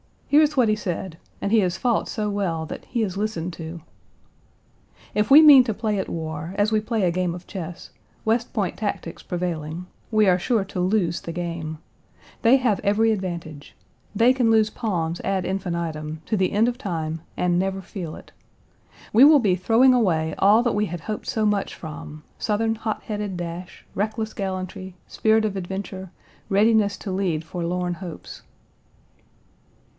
Here is what he said, and he has fought so well that he is listened to: "If we mean to play at war, as we play a game of chess, West Point tactics prevailing, we are sure to lose the game. They have every advantage. They can lose pawns ad infinitum, to the end of time and never feel it. We will be throwing away all that we had hoped so much from Southern hot headed dash, reckless gallantry, spirit of adventure, readiness to lead forlorn hopes."